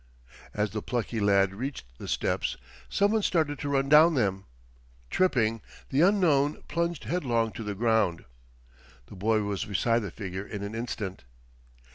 As the plucky lad reached the steps some one started to run down them. Tripping, the unknown plunged headlong to the ground. The boy was beside the figure in an instant.